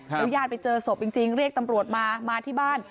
แล้วญาติไปเจอศพจริงเรียกตำรวจมามาที่บ้าน